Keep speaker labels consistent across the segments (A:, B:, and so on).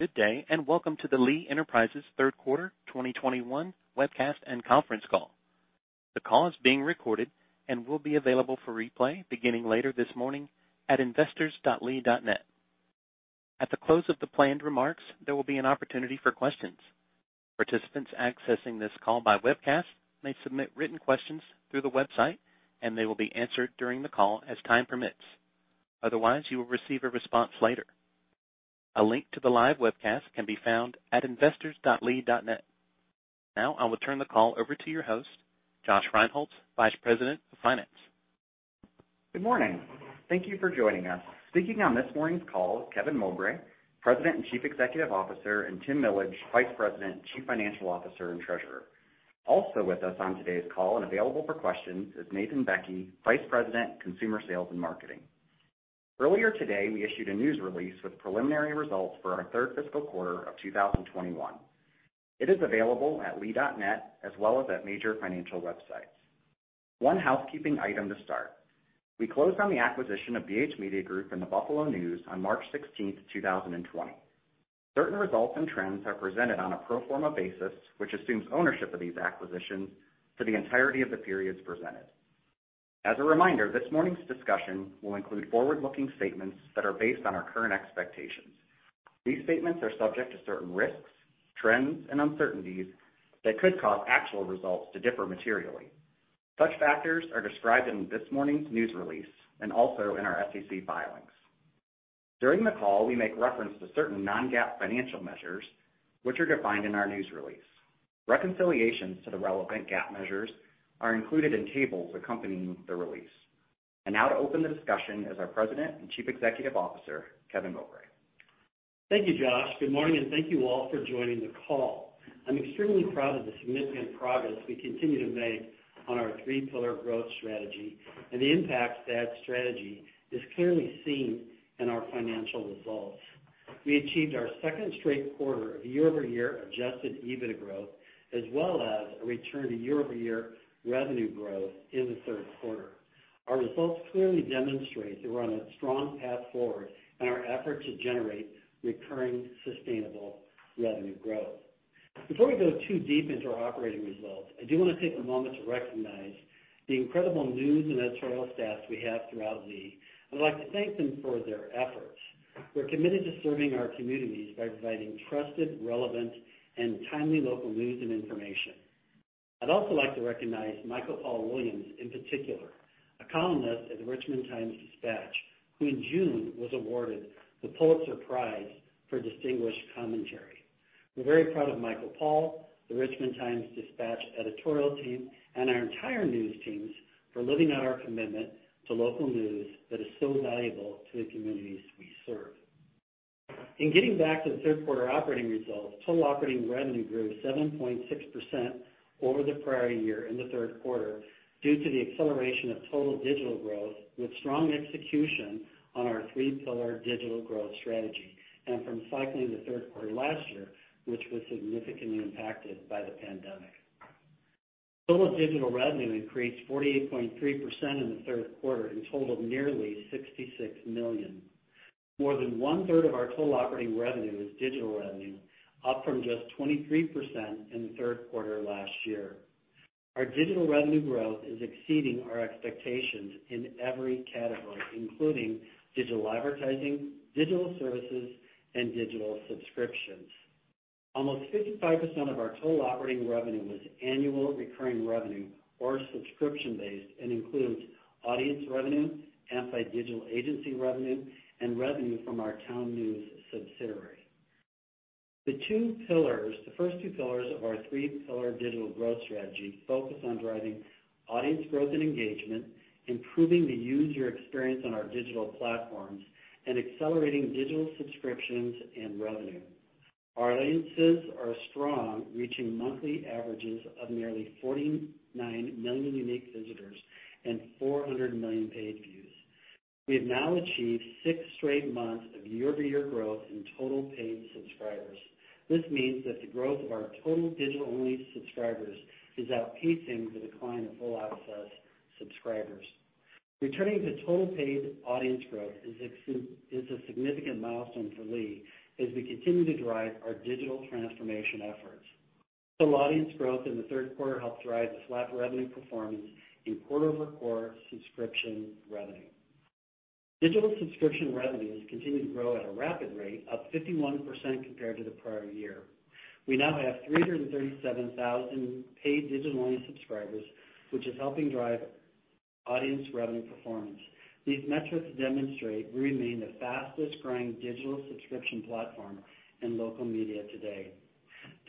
A: Good day, and welcome to the Lee Enterprises Third Quarter 2021 Webcast and Conference Call. The call is being recorded and will be available for replay beginning later this morning at investors.lee.net. At the close of the planned remarks, there will be an opportunity for questions. Participants accessing this call by webcast may submit written questions through the website, and they will be answered during the call as time permits. Otherwise, you will receive a response later. A link to the live webcast can be found at investors.lee.net. Now I will turn the call over to your host, Josh Rinehults, Vice President of Finance.
B: Good morning. Thank you for joining us. Speaking on this morning's call is Kevin Mowbray, President and Chief Executive Officer, and Tim Millage, Vice President, Chief Financial Officer, and Treasurer. Also with us on today's call and available for questions is Nathan Bekke, Vice President, Consumer Sales and Marketing. Earlier today, we issued a news release with preliminary results for our third fiscal quarter of 2021. It is available at lee.net as well as at major financial websites. One housekeeping item to start. We closed on the acquisition of BH Media Group and The Buffalo News on March 16th, 2020. Certain results and trends are presented on a pro forma basis, which assumes ownership of these acquisitions for the entirety of the periods presented. As a reminder, this morning's discussion will include forward-looking statements that are based on our current expectations. These statements are subject to certain risks, trends, and uncertainties that could cause actual results to differ materially. Such factors are described in this morning's news release and also in our SEC filings. During the call, we make reference to certain non-GAAP financial measures, which are defined in our news release. Reconciliations to the relevant GAAP measures are included in tables accompanying the release. Now to open the discussion is our President and Chief Executive Officer, Kevin Mowbray.
C: Thank you, Josh. Good morning, and thank you all for joining the call. I'm extremely proud of the significant progress we continue to make on our three-pillar growth strategy, and the impact of that strategy is clearly seen in our financial results. We achieved our second straight quarter of year-over-year adjusted EBITDA growth, as well as a return to year-over-year revenue growth in the third quarter. Our results clearly demonstrate that we're on a strong path forward in our effort to generate recurring, sustainable revenue growth. Before we go too deep into our operating results, I do want to take a moment to recognize the incredible news and editorial staff we have throughout Lee. I'd like to thank them for their efforts. We're committed to serving our communities by providing trusted, relevant, and timely local news and information. I'd also like to recognize Michael Paul Williams in particular, a columnist at the Richmond Times-Dispatch, who in June was awarded the Pulitzer Prize for distinguished commentary. We're very proud of Michael Paul, the Richmond Times-Dispatch editorial team, and our entire news teams for living out our commitment to local news that is so valuable to the communities we serve. In getting back to the third quarter operating results, total operating revenue grew 7.6% over the prior year in the third quarter due to the acceleration of total digital growth with strong execution on our three-pillar digital growth strategy and from cycling the third quarter last year, which was significantly impacted by the pandemic. Total digital revenue increased 48.3% in the third quarter and totaled nearly $66 million. More than one-third of our total operating revenue is digital revenue, up from just 23% in the third quarter last year. Our digital revenue growth is exceeding our expectations in every category, including digital advertising, digital services, and digital subscriptions. Almost 55% of our total operating revenue was annualized recurring revenue or subscription-based and includes audience revenue, Amplified Digital agency revenue, and revenue from our TownNews subsidiary. The first two pillars of our three-pillar digital growth strategy focus on driving audience growth and engagement, improving the user experience on our digital platforms, and accelerating digital subscriptions and revenue. Our audiences are strong, reaching monthly averages of nearly 49 million unique visitors and 400 million page views. We have now achieved six straight months of year-to-year growth in total paid subscribers. This means that the growth of our total digital-only subscribers is outpacing the decline of full access subscribers. Returning to total paid audience growth is a significant milestone for Lee as we continue to drive our digital transformation efforts. Total audience growth in the third quarter helped drive the flat revenue performance in quarter-over-quarter subscription revenue. Digital subscription revenues continue to grow at a rapid rate, up 51% compared to the prior year. We now have 337,000 paid digital-only subscribers, which is helping drive audience revenue performance. These metrics demonstrate we remain the fastest-growing digital subscription platform in local media today.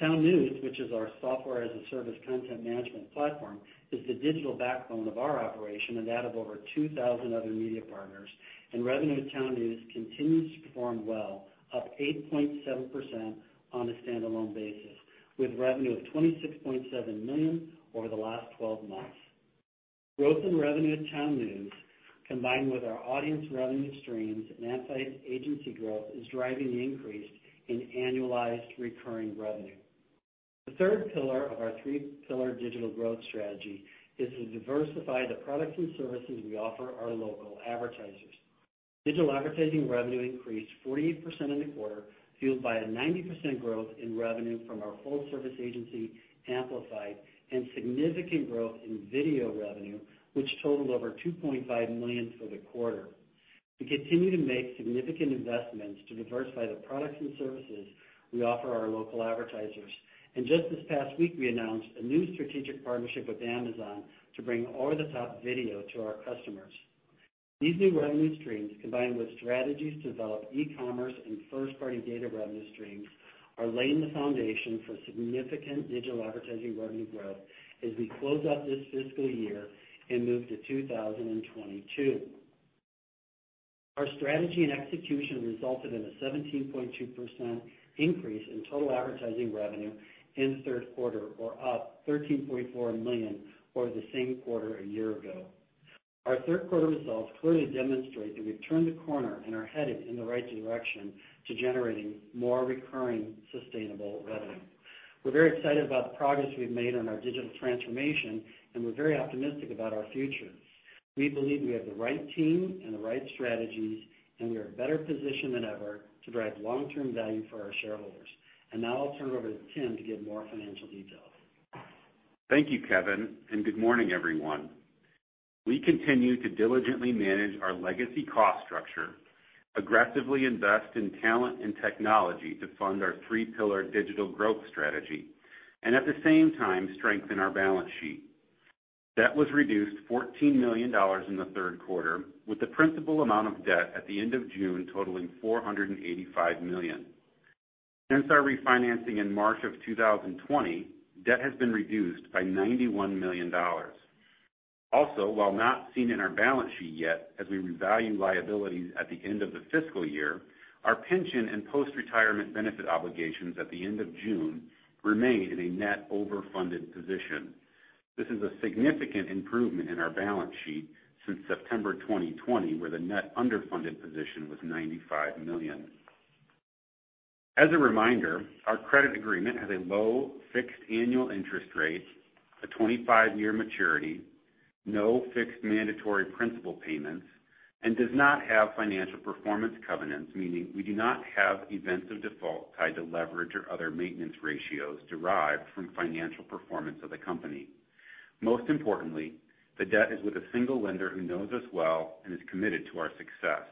C: TownNews, which is our software-as-a-service content management platform, is the digital backbone of our operation and that of over 2,000 other media partners, and revenue at TownNews continues to perform well, up 8.7% on a standalone basis, with revenue of $26.7 million over the last 12 months. Growth in revenue at TownNews, combined with our audience revenue streams and Amplified agency growth, is driving the increase in annualized recurring revenue. The third pillar of our three-pillar digital growth strategy is to diversify the products and services we offer our local advertisers. Digital advertising revenue increased 48% in the quarter, fueled by a 90% growth in revenue from our full-service agency, Amplified, and significant growth in video revenue, which totaled over $2.5 million for the quarter. We continue to make significant investments to diversify the products and services we offer our local advertisers. Just this past week, we announced a new strategic partnership with Amazon to bring over-the-top video to our customers. These new revenue streams, combined with strategies to develop e-commerce and first-party data revenue streams, are laying the foundation for significant digital advertising revenue growth as we close out this fiscal year and move to 2022. Our strategy and execution resulted in a 17.2% increase in total advertising revenue in the third quarter or up $13.4 million over the same quarter a year ago. Our third quarter results clearly demonstrate that we've turned the corner and are headed in the right direction to generating more recurring sustainable revenue. We're very excited about the progress we've made on our digital transformation, and we're very optimistic about our future. We believe we have the right team and the right strategies, and we are better positioned than ever to drive long-term value for our shareholders. Now I'll turn it over to Tim to give more financial details.
D: Thank you, Kevin, and good morning, everyone. We continue to diligently manage our legacy cost structure, aggressively invest in talent and technology to fund our three-pillar digital growth strategy, and at the same time, strengthen our balance sheet. Debt was reduced $14 million in the third quarter with the principal amount of debt at the end of June totaling $485 million. Since our refinancing in March of 2020, debt has been reduced by $91 million. While not seen in our balance sheet yet as we revalue liabilities at the end of the fiscal year, our pension and post-retirement benefit obligations at the end of June remain in a net overfunded position. This is a significant improvement in our balance sheet since September 2020, where the net underfunded position was $95 million. As a reminder, our credit agreement has a low fixed annual interest rate, a 25-year maturity, no fixed mandatory principal payments, and does not have financial performance covenants, meaning we do not have events of default tied to leverage or other maintenance ratios derived from financial performance of the company. Most importantly, the debt is with a single lender who knows us well and is committed to our success.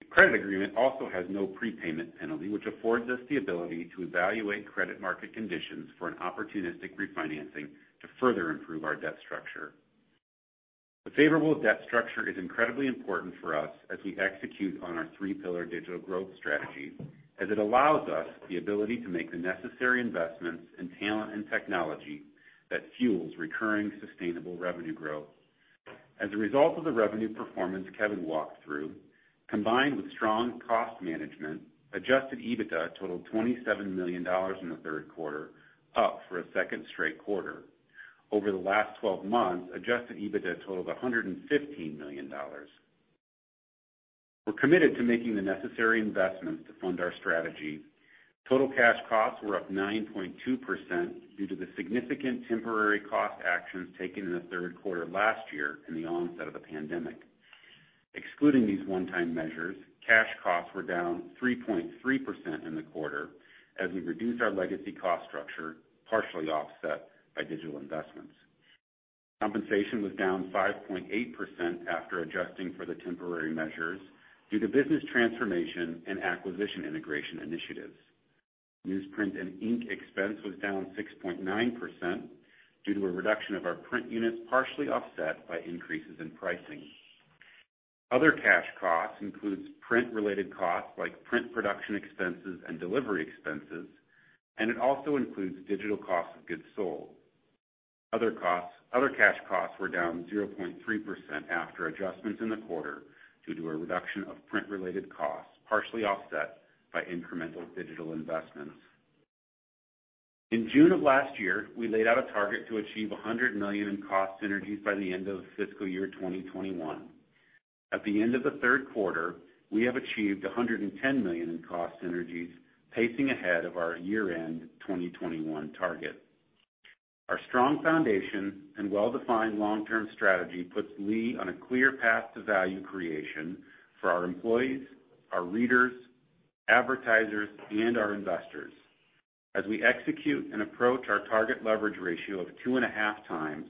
D: The credit agreement also has no prepayment penalty, which affords us the ability to evaluate credit market conditions for an opportunistic refinancing to further improve our debt structure. The favorable debt structure is incredibly important for us as we execute on our three-pillar digital growth strategy as it allows us the ability to make the necessary investments in talent and technology that fuels recurring sustainable revenue growth. As a result of the revenue performance Kevin walked through, combined with strong cost management, adjusted EBITDA totaled $27 million in the third quarter, up for a second straight quarter. Over the last 12 months, adjusted EBITDA totaled $115 million. We're committed to making the necessary investments to fund our strategy. Total cash costs were up 9.2% due to the significant temporary cost actions taken in the third quarter of last year in the onset of the pandemic. Excluding these one-time measures, cash costs were down 3.3% in the quarter as we reduced our legacy cost structure, partially offset by digital investments. Compensation was down 5.8% after adjusting for the temporary measures due to business transformation and acquisition integration initiatives. Newsprint and ink expense was down 6.9% due to a reduction of our print units, partially offset by increases in pricing. Other cash costs includes print-related costs like print production expenses and delivery expenses, and it also includes digital cost of goods sold. Other cash costs were down 0.3% after adjustments in the quarter due to a reduction of print-related costs, partially offset by incremental digital investments. In June of last year, we laid out a target to achieve $100 million in cost synergies by the end of fiscal year 2021. At the end of the third quarter, we have achieved $110 million in cost synergies, pacing ahead of our year-end 2021 target. Our strong foundation and well-defined long-term strategy puts Lee on a clear path to value creation for our employees, our readers, advertisers, and our investors. As we execute and approach our target leverage ratio of 2.5 times,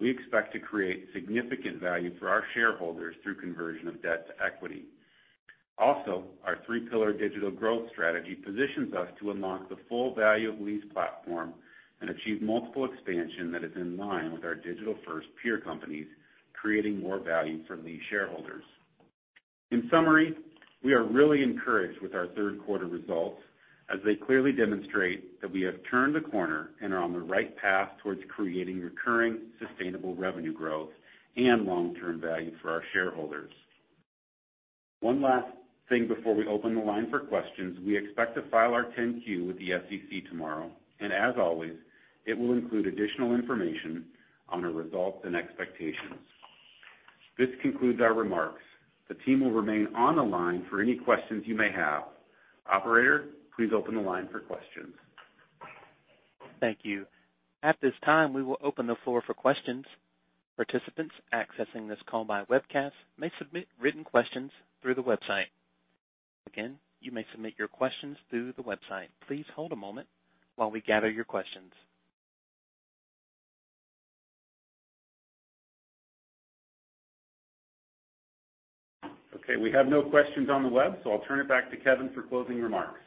D: we expect to create significant value for our shareholders through conversion of debt to equity. Our three-pillar digital growth strategy positions us to unlock the full value of Lee's platform and achieve multiple expansion that is in line with our digital-first peer companies, creating more value for Lee shareholders. In summary, we are really encouraged with our third quarter results as they clearly demonstrate that we have turned the corner and are on the right path towards creating recurring, sustainable revenue growth and long-term value for our shareholders. One last thing before we open the line for questions. We expect to file our 10-Q with the SEC tomorrow, and as always, it will include additional information on the results and expectations. This concludes our remarks. The team will remain on the line for any questions you may have. Operator, please open the line for questions.
A: Thank you. At this time, we will open the floor for questions. Participants accessing this call by webcast may submit written questions through the website. Again, you may submit your questions through the website. Please hold a moment while we gather your questions.
B: Okay, we have no questions on the web, so I'll turn it back to Kevin for closing remarks.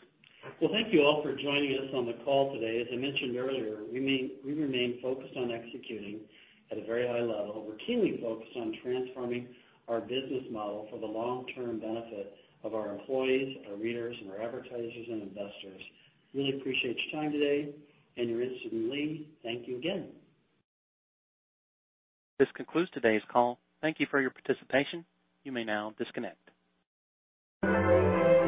C: Well, thank you all for joining us on the call today. As I mentioned earlier, we remain focused on executing at a very high level. We're keenly focused on transforming our business model for the long-term benefit of our employees, our readers, and our advertisers and investors. Really appreciate your time today and your interest in Lee. Thank you again.
A: This concludes today's call. Thank you for your participation. You may now disconnect.